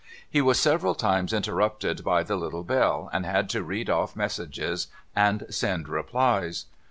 He was several limes interrupted by the little bell, and had to read oft" messages, and send replies.